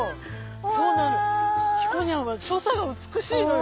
そうなのひこにゃんは所作が美しいのよ。